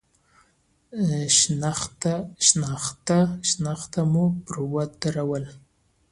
شنخته مو پر ودروله.